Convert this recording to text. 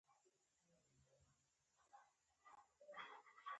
نورو تعریفونو مشروعیت نفي کړي.